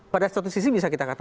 pada satu sisi bisa kita katakan